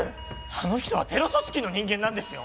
あの人はテロ組織の人間なんですよ